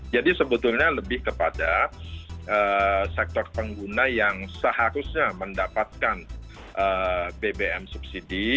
jadi sebetulnya lebih kepada sektor pengguna yang seharusnya mendapatkan bbm subsidi